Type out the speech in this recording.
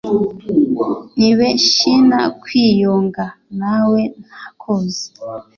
nibeshyna kwiyunga nawe ntakuzi